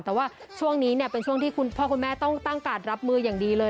แต่ว่าช่วงนี้เนี่ยเป็นช่วงที่คุณพ่อคุณแม่ต้องตั้งการรับมืออย่างดีเลย